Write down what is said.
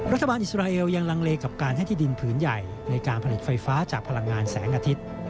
รัฐบาลอิสราเอลยังลังเลกับการให้ที่ดินผืนใหญ่ในการผลิตไฟฟ้าจากพลังงานแสงอาทิตย์